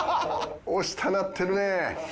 押したなってるねえ。